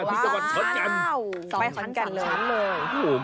ทุกคนเฉินกัน